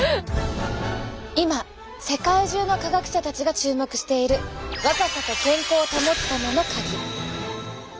今世界中の科学者たちが注目している若さと健康を保つためのカギ。